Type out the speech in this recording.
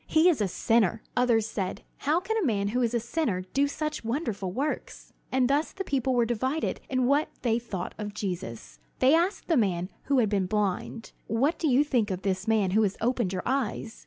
He is a sinner!" Others said, "How can a man who is a sinner do such wonderful works?" And thus the people were divided in what they thought of Jesus. They asked the man who had been blind: "What do you think of this man who has opened your eyes?"